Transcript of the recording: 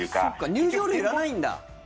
入場料いらないんだ！